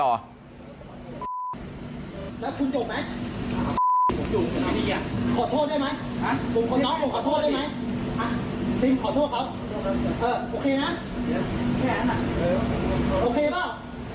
โอเคเปล่า